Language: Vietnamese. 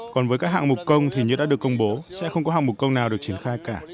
còn với các hạng mục công thì như đã được công bố sẽ không có hạng mục công nào được triển khai cả